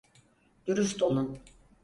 Dürüst olun.